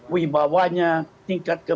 wibawanya tingkat kepentingan